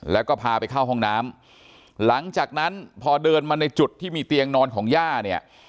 แล้วก็พาไปเข้าห้องน้ำหลังจากนั้นพอเดินมาในจุดที่มีเตียงนอนของย่าเนี่ย